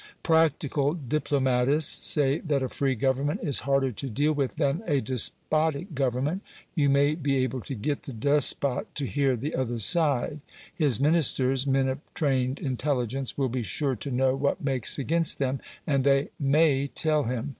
Practical diplomatists say that a free Government is harder to deal with than a despotic Government; you may be able to get the despot to hear the other side; his Ministers, men of trained intelligence, will be sure to know what makes against them; and they MAY tell him.